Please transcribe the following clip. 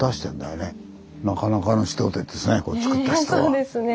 そうですね。